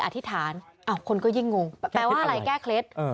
ทั้งหลวงผู้ลิ้น